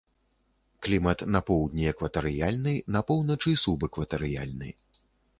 Клімат на поўдні экватарыяльны, на поўначы субэкватарыяльны.